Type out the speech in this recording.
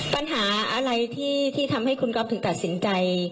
ปัญหาอะไรที่ทำให้คุณก๊อฟถึงตัดสินใจ